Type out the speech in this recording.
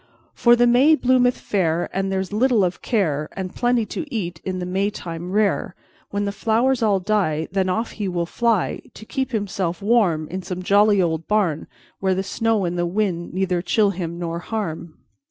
For the May bloometh fair, And there's little of care, And plenty to eat in the Maytime rare. When the flowers all die, Then off he will fly, To keep himself warm In some jolly old barn Where the snow and the wind neither chill him nor harm.